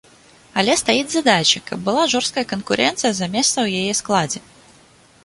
Але стаіць задача, каб была жорсткая канкурэнцыя за месца ў яе складзе.